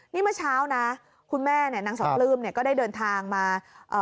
นี่เมื่อเช้านะคุณแม่นางสองลืมก็ได้เดินทางมา